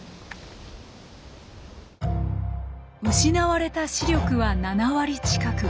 失われた視力は７割近く。